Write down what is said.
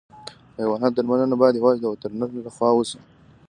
د حیواناتو درملنه باید یوازې د وترنر له خوا وشي.